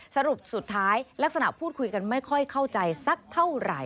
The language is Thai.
สรุปสุดท้ายลักษณะพูดคุยกันไม่ค่อยเข้าใจสักเท่าไหร่